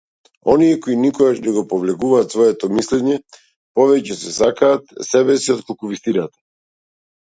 Оние кои никогаш не го повлекуваат своето мислење, повеќе се сакаат себеси отколку вистината.